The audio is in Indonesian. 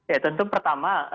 ya tentu pertama